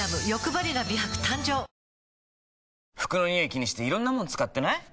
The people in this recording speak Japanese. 気にしていろんなもの使ってない？